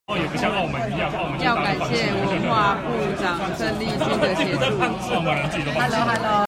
要感謝文化部長鄭麗君的協助